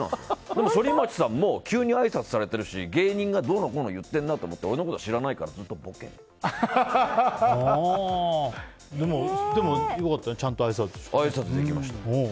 でも反町さんも急にあいさつされているし芸人がどうのこうの言ってんなと思って俺のこと知らないからでも良かったねあいさつできました。